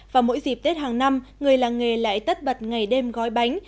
và mỗi dịp tết hàng năm người làng nghề lại tất bật ngày đêm gói bánh